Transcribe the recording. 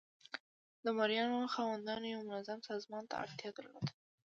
د مرئیانو خاوندانو یو منظم سازمان ته اړتیا درلوده.